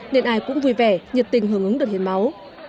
nên ai cũng vui vẻ nhiệt tình hưởng ứng đợt hiến máu